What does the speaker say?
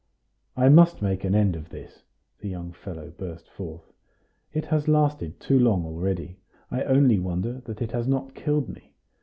"I must make an end of this," the young fellow burst forth. "It has lasted too long already! I only wonder that it has not killed me!